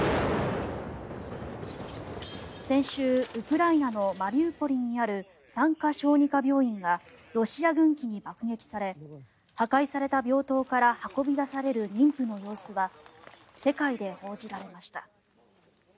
先週ウクライナのマリウポリにある産科小児科病院がロシア軍機に爆撃され破壊された病棟から運び出される妊婦の様子が世界で報じられました。